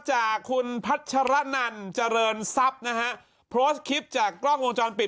จากคุณพัชรนันเจริญทรัพย์นะฮะโพสต์คลิปจากกล้องวงจรปิด